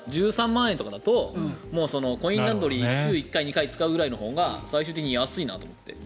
１３万円とかだとコインランドリーを週に１回、２回使うほうが最終的に安いなと思って。